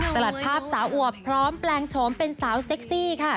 สลัดภาพสาวอวบพร้อมแปลงโฉมเป็นสาวเซ็กซี่ค่ะ